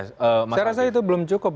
saya rasa itu belum cukup